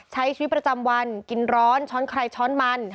ใช้ชีวิตประจำวันกินร้อนช้อนใครช้อนมัน